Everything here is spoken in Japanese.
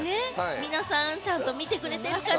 皆さん、ちゃんと見てくれてるかな？